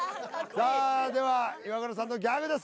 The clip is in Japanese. さあではイワクラさんのギャグです